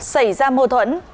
xảy ra mâu thuẫn